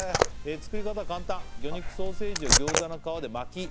作り方は簡単魚肉ソーセージを餃子の皮で巻き」